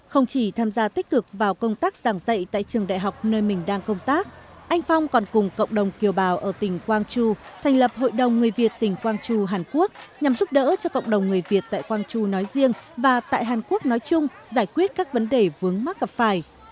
không chỉ tham gia tích cực vào công tác giảng dạy tại trường đại học nơi mình đang công tác anh phong còn cùng cộng đồng kiều bào ở tỉnh quang tru thành lập hội đồng người việt tỉnh quang tru hàn quốc nhằm giúp đỡ cho cộng đồng người việt tại quang tru nói riêng và tại hàn quốc nói chung giải quyết các vấn đề vướng mắc gặp phải